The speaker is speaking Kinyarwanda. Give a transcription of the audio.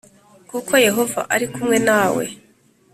kuko Yehova ari kumwe nawe